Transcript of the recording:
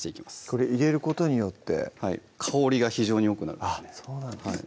これ入れることによって香りが非常によくなるんですねそうなんですね